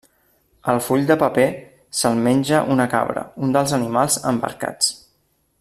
El full de paper se'l menja una cabra, un dels animals embarcats.